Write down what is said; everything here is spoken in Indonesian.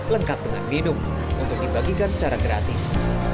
lengkap dengan minum untuk dibagikan secara gratis